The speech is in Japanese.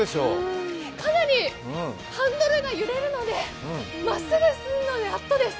かなりハンドルが揺れるのでまっすぐ進むのがやっとです。